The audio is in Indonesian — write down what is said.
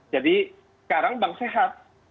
jadi sekarang bank sehat